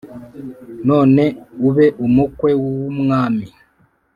none ube umukwe w’umwami.